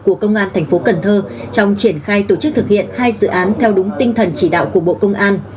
của công an thành phố cần thơ trong triển khai tổ chức thực hiện hai dự án theo đúng tinh thần chỉ đạo của bộ công an